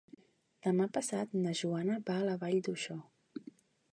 Demà passat na Joana va a la Vall d'Uixó.